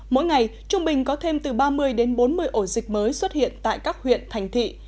mỗi ngày trung bình có thêm từ ba mươi đến bốn mươi ổ dịch mới xuất hiện tại các huyện thành thị